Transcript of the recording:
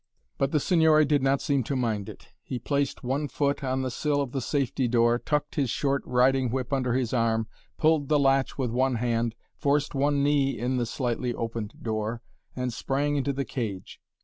But the Signore did not seem to mind it; he placed one foot on the sill of the safety door, tucked his short riding whip under his arm, pulled the latch with one hand, forced one knee in the slightly opened door, and sprang into the cage.